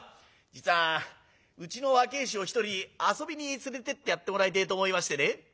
「実はうちの若え衆を一人遊びに連れてってやってもらいてえと思いましてね」。